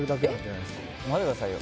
待ってくださいよ